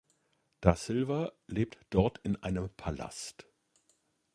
Da Silva lebt dort in einem Palast.